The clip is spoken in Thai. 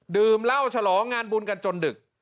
ดื่มเหล้าฉลองงานบุญกันจนดึก